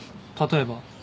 例えば？